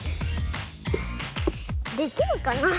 できるかな？